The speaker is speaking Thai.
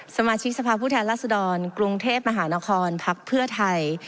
สมาชิกสภาพผู้แทนรัศดรกรุงเทพมหานครพักเพื่อไทย